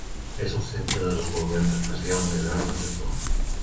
És el centre de desenvolupament espacial més gran del Japó.